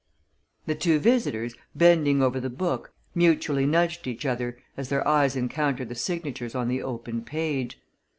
The two visitors, bending over the book, mutually nudged each other as their eyes encountered the signatures on the open page.